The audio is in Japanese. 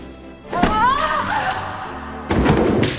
ああ！